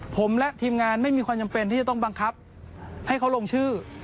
ผมและทีมงานไม่มีความจำเป็นที่จะต้องบังคับให้เขาลงชื่อ